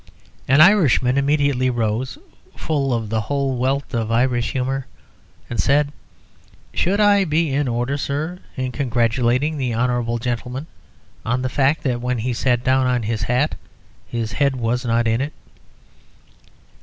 An Irishman immediately rose, full of the whole wealth of Irish humour, and said, "Should I be in order, Sir, in congratulating the honourable gentleman on the fact that when he sat down on his hat his head was not in it?"